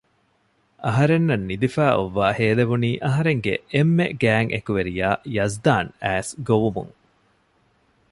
އަހަރެންނަށް ނިދިފައި އޮއްވާ ހޭލެވުނީ އަހަރެންގެ އެންމެ ގާތް އެކުވެރިޔާ ޔަޒްދާން އައިސް ގޮވުމުން